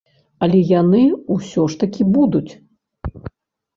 Але яны ўсё ж такі будуць.